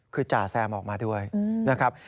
คือจ่าแซมออกมาด้วยนะครับ